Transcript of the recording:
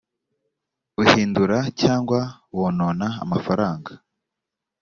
uhindura cyangwa wonona amafaranga